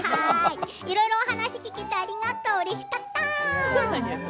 いろいろなお話聞けてありがとううれしかった。